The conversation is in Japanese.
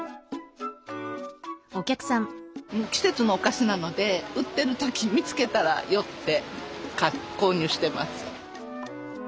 季節のお菓子なので売ってる時見つけたら寄って購入してます。